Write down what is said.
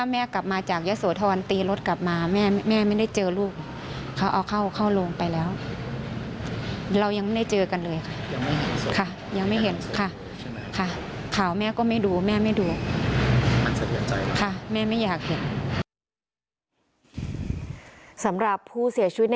แม่ไม่ดูแม่ไม่ดู